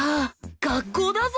学校だぞ？